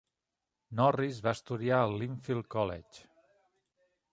Norris va estudiar al Lynfield College.